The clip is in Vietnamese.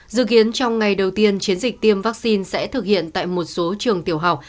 dự kiến trong ngày đầu tiên chiến dịch tiêm vaccine sẽ thực hiện tại một số trường tiểu học